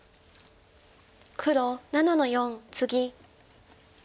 黒７の四ツギ。